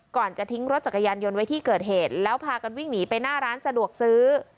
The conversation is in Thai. จะทิ้งรถจักรยานยนต์ไว้ที่เกิดเหตุแล้วพากันวิ่งหนีไปหน้าร้านสะดวกซื้อ